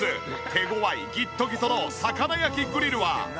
手ごわいギットギトの魚焼きグリルは！？